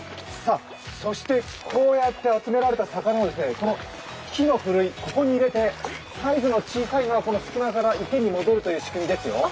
そしてこうやって集められた魚をその木のふるい、ここに入れて細部に小さいところこの隙間から池に戻るという仕組みですよ。